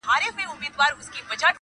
o په منډه نه ده، په ټنډه ده٫